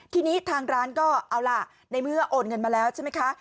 ทีนี้ทางร้านก็เอาล่ะในเมื่อโอนเงินมาแล้วใช่ไหมคะ